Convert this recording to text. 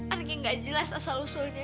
anak yang gak jelas asal usulnya